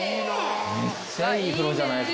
めっちゃいい風呂じゃないですか。